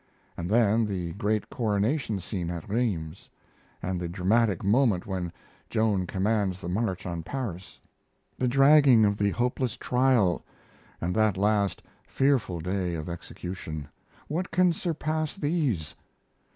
And then the great coronation scene at Rheims, and the dramatic moment when Joan commands the march on Paris the dragging of the hopeless trial, and that last, fearful day of execution, what can surpass these?